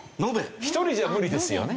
１人じゃ無理ですよね。